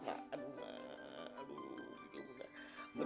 aduh bingung mbak